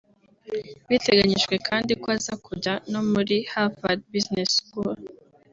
Biteganyijwe kandi ko aza kujya no muri Harvard Business School